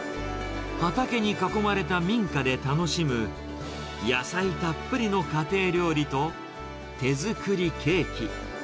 畑に囲まれた民家で楽しむ野菜たっぷりの家庭料理と手作りケーキ。